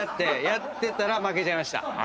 やってたら負けちゃいました。